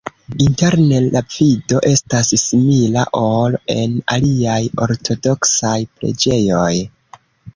Interne la vido estas simila, ol en aliaj ortodoksaj preĝejoj.